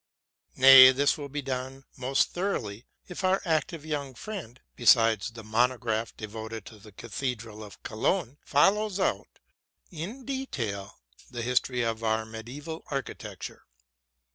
Nay, this will be done most thoroughly if our active young friend, besides the monograph devoted to the cathedral of Cologne, follows out in detail the history of our medieval architect ure.